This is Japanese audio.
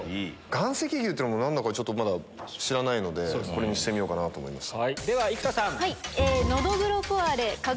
岩石牛っていうの何だか知らないのでこれにしてみようかなと思いました。